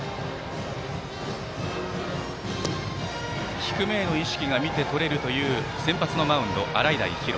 低めへの意識が見て取れる先発のマウンド、洗平比呂。